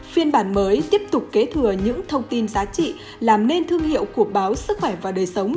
phiên bản mới tiếp tục kế thừa những thông tin giá trị làm nên thương hiệu của báo sức khỏe và đời sống